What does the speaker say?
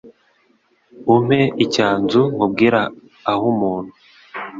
Umpe icyanzu nkubwire ah'umuntu